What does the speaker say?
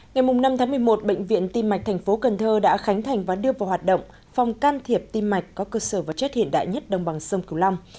ngày năm tháng một mươi một bệnh viện tim mạch tp cn đã khánh thành và đưa vào hoạt động phòng can thiệp tim mạch có cơ sở vật chất hiện đại nhất đồng bằng sông cửu long